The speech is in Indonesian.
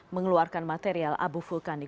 mengeluarkan material abu vulkanik